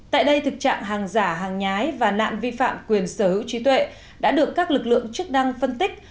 tại đây thực trạng hàng giả hàng nhái và nạn vi phạm quyền sở hữu trí tuệ đã được các lực lượng chức năng phân tích